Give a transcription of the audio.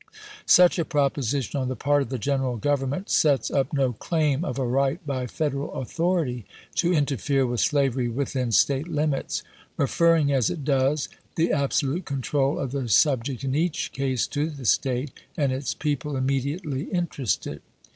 .. Such a proposition on the part of the General Government sets up no claim of a right by Federal authority to interfere with slavery within State limits, referring, as it does, the absolute control of the subject in each case to the State and its people imme diately interested.